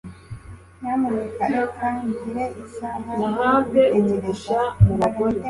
Nyamuneka reka ngire isaha yo kubitekerezaho